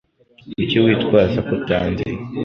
Kuki witwaza ko utanzi?